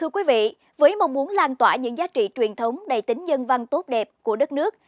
thưa quý vị với mong muốn lan tỏa những giá trị truyền thống đầy tính nhân văn tốt đẹp của đất nước